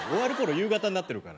夕方になってるから。